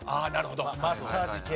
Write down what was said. マッサージ系。